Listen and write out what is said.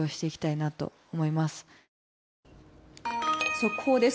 速報です。